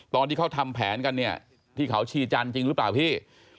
ตอนที่เขาทำแผนกันเนี่ยที่เขาชีจันทร์จริงหรือเปล่าพี่